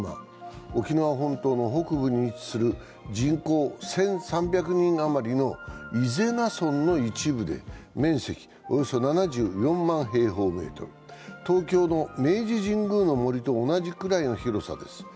沖縄本島の北部に位置する人口１３００人余りの伊是名村の一部で面積はおよそ７４万平方メートル、東京の明治神宮の森と同じくらいの広さです。